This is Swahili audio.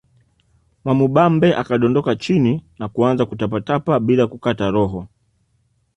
Mwamubambe akadondoka chini na kuanza kutapatapa bila kukata roho